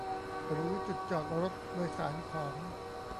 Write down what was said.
หรือจุดจอดรถโดยสารของ